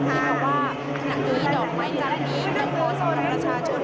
ว่าขณะนี้ดอกไม้จันทร์มียังเพราะสำหรับประชาชน